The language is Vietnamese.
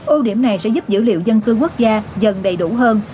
ưu điểm này sẽ giúp dữ liệu dân cư quốc gia dần đầy đủ hơn